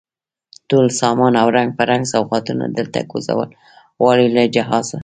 ټول سامان او رنګ په رنګ سوغاتونه، دلته دی کوزول غواړي له جهازه